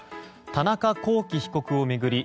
田中聖被告を巡り